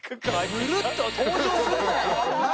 ヌルッと登場するなよ！